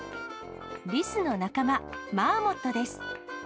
リスの仲間、マーモットです。